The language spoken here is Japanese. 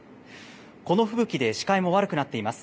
この吹雪で視界も悪くなっています。